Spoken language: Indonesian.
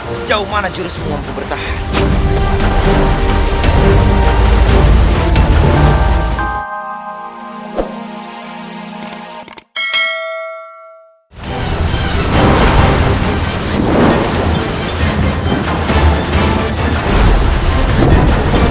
sejauh mana jurus mampu bertahan